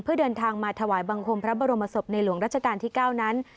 เพื่อเดินทางมาถวายบังคมพระบรมศพในหลวงรัชกาลที่๙นั้น